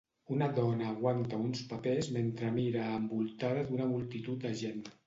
Una dona aguanta uns papers mentre mira envoltada d'una multitud de gent.